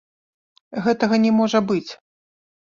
Гэтага не можа быць.